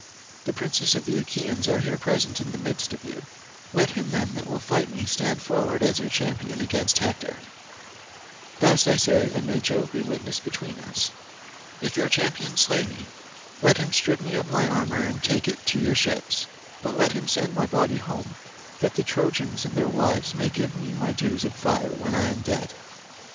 The princes of the Achaeans are here present in the midst of you; let him, then, that will fight me stand forward as your champion against Hector. Thus I say, and may Jove be witness between us. If your champion slay me, let him strip me of my armour and take it to your ships, but let him send my body home that the Trojans and their wives may give me my dues of fire when I am dead.